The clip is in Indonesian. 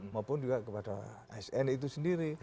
maupun juga kepada asn itu sendiri